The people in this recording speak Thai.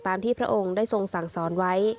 ที่พระองค์ได้ทรงสั่งสอนไว้